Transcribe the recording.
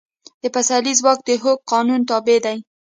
د پسرلي ځواک د هوک قانون تابع دی.